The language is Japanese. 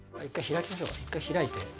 一回開いて。